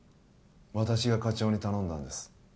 私が課長に頼んだんです